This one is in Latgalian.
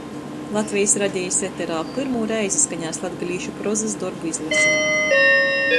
Latvejis Radejis eterā pyrmū reizi skanēs latgalīšu prozys dorbu izlase.